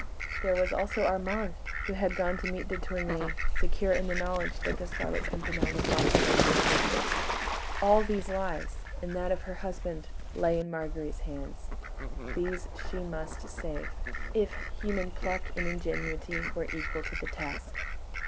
There was also Armand, who had gone to meet de Tournay, secure in the knowledge that the Scarlet Pimpernel was watching over his safety. All these lives, and that of her husband, lay in Marguerite's hands; these she must save, if human pluck and ingenuity were equal to the task.